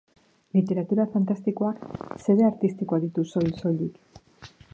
Literatura fantastikoak xede artistikoak ditu, soil-soilik.